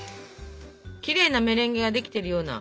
きれいなメレンゲができてるような。